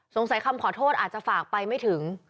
คำขอโทษอาจจะฝากไปไม่ถึง